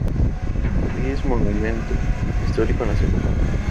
Hoy es un monumento histórico nacional.